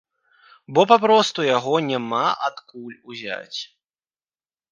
Бо, папросту, яго няма адкуль узяць.